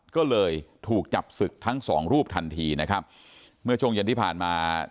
ก็เลยถูกจับศึกทั้งสองรูปทันทีนะครับเมื่อช่วงเย็นที่ผ่านมา